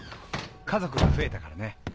家族が増えたからね。